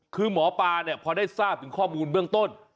คือหมอปลาเนี่ยพอได้ทราบถึงข้อมูลเบื้องต้น